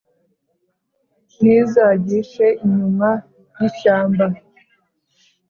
N'izagishe inyuma y'ishyamba